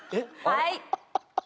・はい。